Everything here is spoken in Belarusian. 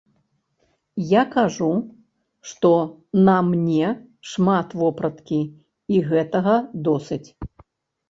Я кажу, што на мне шмат вопраткі, і гэтага досыць.